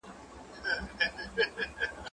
که وخت وي، کتابتون ته کتاب وړم!.